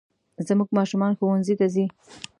زموږ ماشومان ښوونځي ته ځي